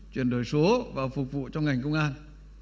chuyển đổi số và phục vụ cho ngành công an